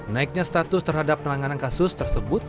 naiknya status terhadap penanganan kasus tersebut